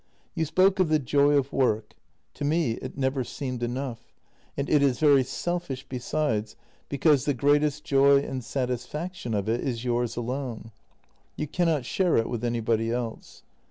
You spoke of the joy of work — to me it never seemed enough, and it is very selfish, besides, because the greatest joy and satisfaction of it is yours alone; you cannot share it with anybody else.